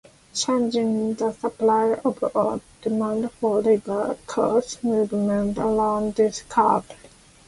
Changes in the supply of or demand for labor cause movements along this curve.